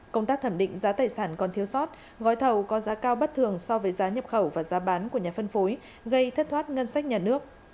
công tác thẩm định giá tài sản còn thiếu sót gói thầu có giá cao bất thường so với giá nhập khẩu và giá bán của nhà phân phối gây thất thoát ngân sách nhà nước